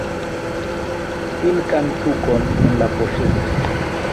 Silkan tukon en la poŝeto.